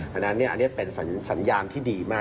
เพราะฉะนั้นอันนี้เป็นสัญญาณที่ดีมาก